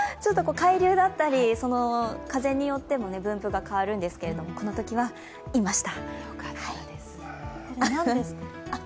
海流だったり風によっても分布が変わるんですけどこのときはいました。